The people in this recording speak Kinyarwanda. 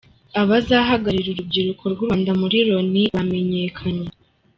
Abazahagararira urubyiruko rw’u Rwanda muri Loni bamenyekanye